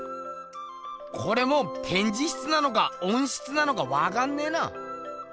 これもうてんじ室なのかおん室なのかわかんねえな。